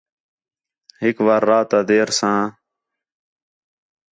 ہِک وار راتا دیر ساں